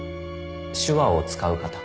手話を使う方。